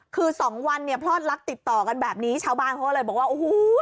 คือสองวันเนี่ยพลอดลักษณ์ติดต่อกันแบบนี้ชาวบ้านเขาเลยบอกว่าโอ้โห